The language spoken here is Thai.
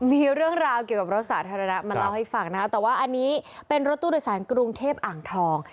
มีเรื่องราวเกี่ยวกับรถสาธารณะมาเล่าให้ฟังนะคะแต่ว่าอันนี้เป็นรถตู้โดยสารกรุงเทพอ่างทอง